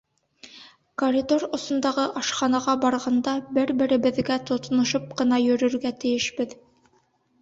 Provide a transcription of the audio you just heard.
Коридор осондағы ашханаға барғанда бер-беребеҙгә тотоношоп ҡына йөрөргә тейешбеҙ.